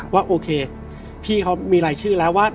ว่าโอเคพี่เขามีรายชื่อแล้วว่า